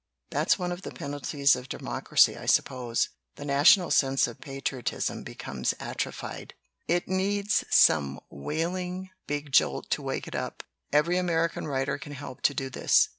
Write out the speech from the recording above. That's one of the penalties of democracy, I sup pose; the national sense of patriotism becomes atrophied. It needs some whaling big jolt to wake it up. Every American writer can help to do this.